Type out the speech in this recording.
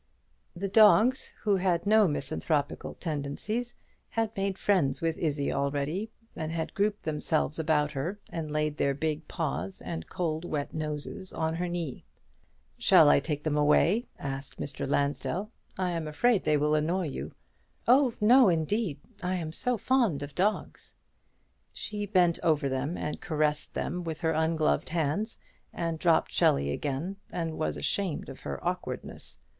The dogs, who had no misanthropical tendencies, had made friends with Izzie already, and had grouped themselves about her, and laid their big paws and cold wet noses on her knee. "Shall I take them away?" asked Mr. Lansdell. "I am afraid they will annoy you." "Oh no, indeed; I am so fond of dogs." She bent over them and caressed them with her ungloved hands, and dropped Shelley again, and was ashamed of her awkwardness.